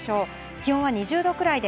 気温は２０度くらいで